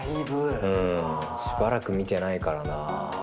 しばらく見てないからな。